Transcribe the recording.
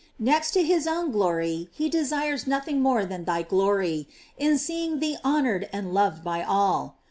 Next to his own glory, he desires nothing more than thy glory, in seeing thee honored and loved by all.